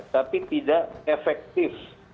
tapi tidak efektif